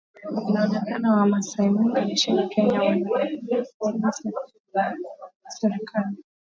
Inaonekana wamasai wengi nchini Kenya wanaiona sensa ya taifa kama ni kuingiliwa na serikali